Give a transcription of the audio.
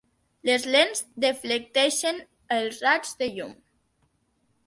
Les lents deflecteixen els raigs de llum.